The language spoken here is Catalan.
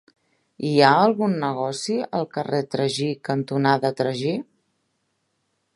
Hi ha algun negoci al carrer Tragí cantonada Tragí?